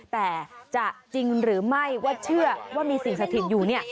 แต่จะจริงหรือไม่ว่าเชื่อว่ามีสิ่งศักดิ์สิทธิ์อยู่นี่